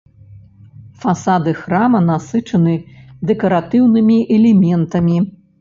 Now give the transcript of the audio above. Фасады храма насычаны дэкаратыўнымі элементамі.